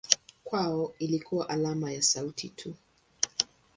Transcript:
Kwao ilikuwa alama ya sauti tu.